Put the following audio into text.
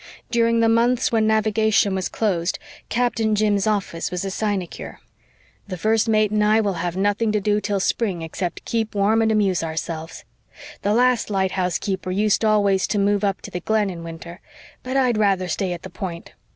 During the months when navigation was closed Captain Jim's office was a sinecure. "The First Mate and I will have nothing to do till spring except keep warm and amuse ourselves. The last lighthouse keeper used always to move up to the Glen in winter; but I'd rather stay at the Point.